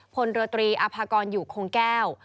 พลเรือตรีอภากรอยู่คงแก้ว